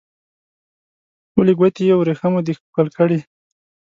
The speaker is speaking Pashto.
ټولې ګوتې یې وریښمو دي ښکل کړي